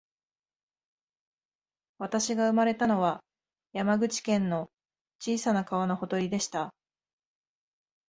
私が生まれたのは、山口県の小さな川のほとりでした